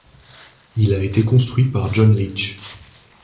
Il a été construit par John Leech.